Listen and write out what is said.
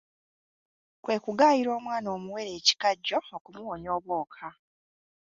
Kwe kugaayira omwana omuwere ekikajjo okumuwonya obwoka.